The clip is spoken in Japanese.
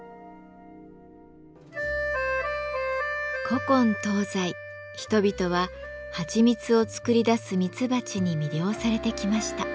古今東西人々ははちみつを作り出すミツバチに魅了されてきました。